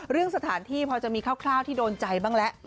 เรื่องสถานที่พอจะมีคร่าวที่โดนใจบ้างแล้ว